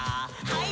はい。